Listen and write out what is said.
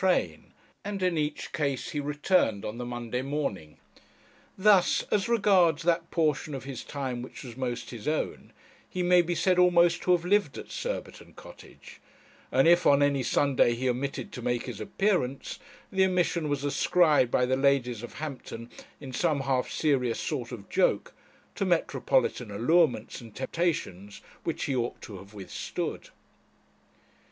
train and in each case he returned on the Monday morning. Thus, as regards that portion of his time which was most his own, he may be said almost to have lived at Surbiton Cottage, and if on any Sunday he omitted to make his appearance, the omission was ascribed by the ladies of Hampton, in some half serious sort of joke, to metropolitan allurements and temptations which he ought to have withstood.